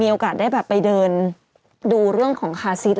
โอกาสได้แบบไปเดินดูเรื่องของคาซิส